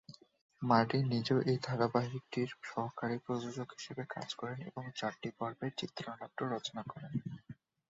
Martin নিজেও এই ধারাবাহিকটির সহকারী প্রযোজক হিসেবে কাজ করেন এবং চারটি পর্বের চিত্রনাট্য রচনা করেন।